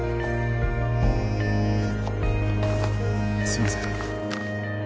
すいません。